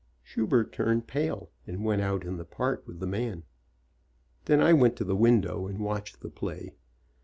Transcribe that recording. Schubert turned pale and went out in the park with the man. Then I went to the window and watched the play.